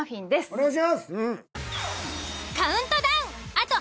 お願いします。